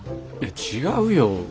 えっ違うよ。